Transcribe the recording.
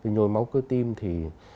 nhồi máu cơ tim thì